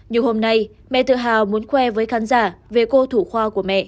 nhưng hôm nay mẹ tự hào muốn khoe với khán giả về cô thủ khóa